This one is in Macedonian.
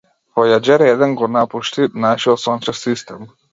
Војаџер еден го напушти нашиот сончев систем.